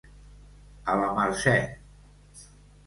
A la mercè.